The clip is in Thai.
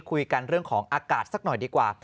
คุยกันเรื่องของอากาศสักหน่อยดีกว่า